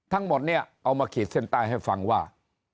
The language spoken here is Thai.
ทั้งหมดเนี่ยเอามาขีดเส้นใต้ให้ฟังว่า